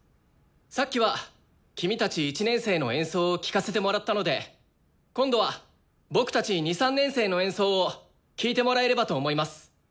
さっきは君たち１年生の演奏を聴かせてもらったので今度は僕たち２３年生の演奏を聴いてもらえればと思います。